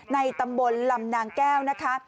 ในตำบลลำนางแก้วนะคะ